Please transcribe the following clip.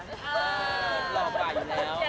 รอบ่ายอยู่แล้ว